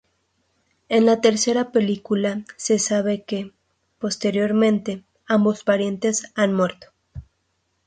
En la tercera película, se sabe que, posteriormente, ambos parientes han muerto.